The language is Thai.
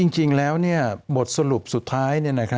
จริงแล้วบทสรุปสุดท้าย